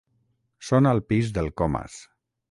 Són al pis del Comas.